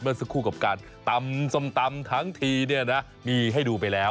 สักครู่กับการตำส้มตำทั้งทีเนี่ยนะมีให้ดูไปแล้ว